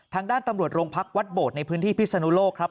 ทางด้านตำรวจโรงพักวัดโบดในพื้นที่พิศนุโลกครับ